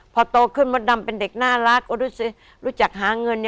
พอโตขึ้นมดดัมเป็นเด็กน่ารักก็รู้จักหาเงินไม่ได้หยุด